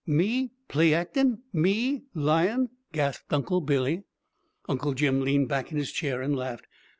"Me play actin'? Me lyin'?" gasped Uncle Billy. Uncle Jim leaned back in his chair and laughed.